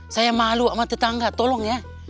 saya malu sama tetangga tolong ya